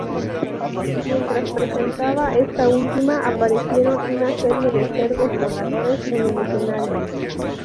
Mientras presentaba esta última, aparecieron una serie de cerdos voladores en el escenario.